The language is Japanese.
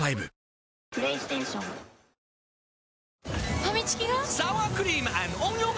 ファミチキが！？